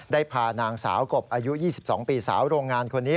ได้พานางสาวกบอายุ๒๒ปีสาวโรงงานคนนี้